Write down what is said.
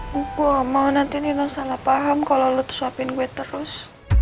gue gak mau nanti nino salah paham kalo lo tuh suapin gue terus